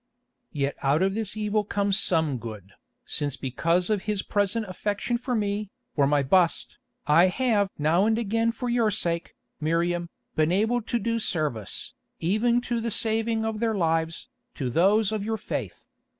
"Yet out of this evil comes some good, since because of his present affection for me, or my bust, I have now and again for your sake, Miriam, been able to do service, even to the saving of their lives, to those of your faith.